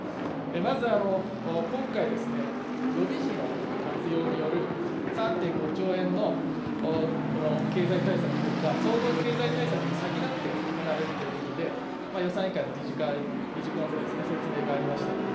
まず、今回ですね、予備費の活用による３．５兆円のこの経済対策というのが、総合経済対策に先立って行われるということで、予算委員会の理事会、理事こんで説明がありました。